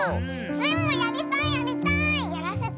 スイもやりたいやりたい！